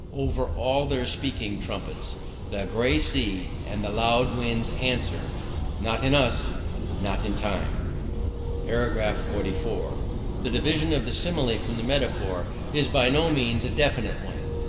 Over all their speaking trumpets the gray sea and the loud winds answer, Not in us; not in Time." § 44. The division of the Simile from the Metaphor is by no means a definite one.